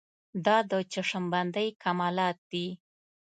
دا د چشم بندۍ کمالات دي.